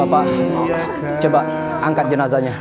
bapak coba angkat jenazahnya